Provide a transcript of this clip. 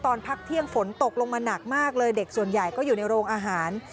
ตอนพักเที่ยงฝนตกลงมาหนักมากเลยเด็กส่วนใหญ่ก็อยู่ในโรงอาหาร